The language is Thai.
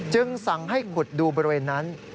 จึงสั่งให้ขุดดูบริเวณนั้น